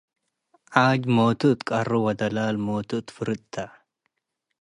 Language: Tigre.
ዓጅ ሞቱ እት ቀሩ ወደላል ሞቱ እት ፍርድ ተ።